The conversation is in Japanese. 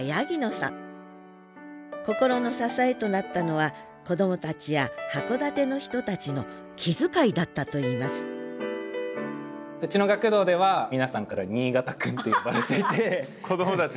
心の支えとなったのは子どもたちや函館の人たちの気遣いだったといいますうちの学童では皆さんから子どもたち？